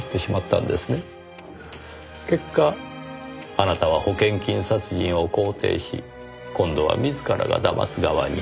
結果あなたは保険金殺人を肯定し今度は自らが騙す側に。